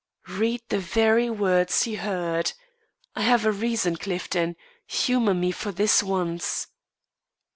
"Read the very words he heard. I have a reason, Clifton. Humour me for this once."